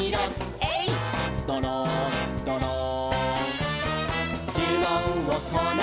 「えいっどろんどろん」